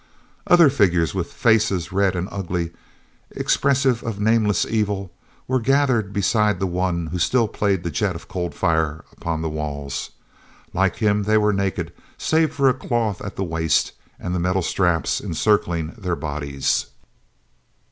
Other figures, with faces red and ugly, expressive of nameless evil, were gathered beside the one who still played the jet of cold fire upon the walls. Like him they were naked save for a cloth at the waist and the metal straps encircling their bodies.